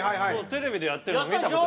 テレビでやってるの見た事。